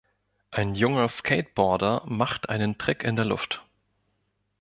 Ein junger Skateboarder macht einen Trick in der Luft.